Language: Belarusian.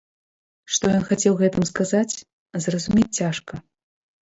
Што ён хацеў гэтым сказаць, зразумець цяжка.